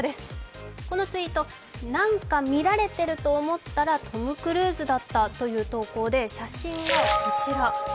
このツイート、なんか見られていると思ったらトム・クルーズだったという投稿で、写真がこちら。